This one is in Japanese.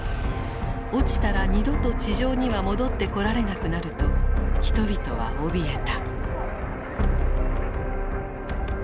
落ちたら二度と地上には戻ってこられなくなると人々はおびえた。